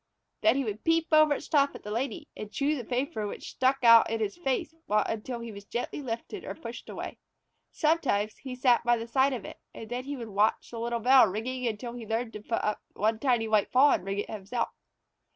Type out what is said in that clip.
Then he would peep over its top at the Lady and chew the paper which stuck out in his face until he was gently lifted or pushed away. Sometimes he sat by the side of it, and then he would watch the little bell ringing until he learned to put up one tiny white paw and ring it himself.